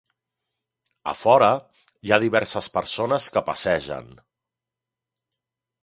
A fora, hi ha diverses persones que passegen.